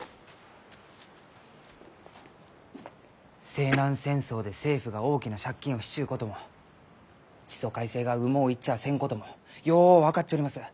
西南戦争で政府が大きな借金をしちゅうことも地租改正がうもういっちゃあせんこともよう分かっちょります。